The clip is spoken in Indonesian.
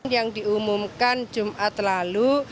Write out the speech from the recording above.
yang diumumkan jumat lalu